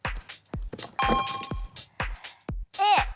Ａ！